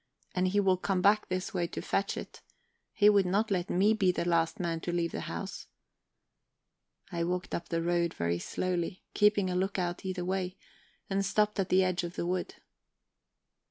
"And he will come back this way to fetch it. He would not let me be the last man to leave the house..." I walked up the road very slowly, keeping a lookout either way, and stopped at the edge of the wood.